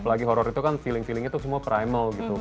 apa lagi horror itu kan feeling feelingnya semua primal gitu